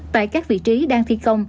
tại các vị trí đang thi công